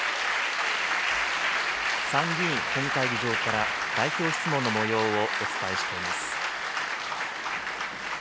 参議院本会議場から代表質問のもようをお伝えしています。